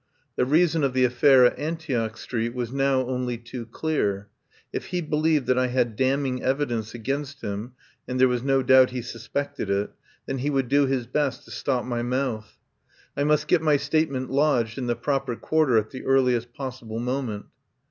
The reason of the affair at Antioch Street was now only too clear. If he believed that I had damning evidence against him — and there was no doubt he suspected it — then he would do his best to stop my mouth. I must get my statement lodged in the proper quarter at the earliest possible moment.